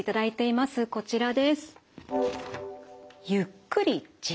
こちらです。